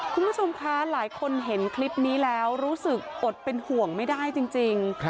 คุณผู้ชมคะหลายคนเห็นคลิปนี้แล้วรู้สึกอดเป็นห่วงไม่ได้จริง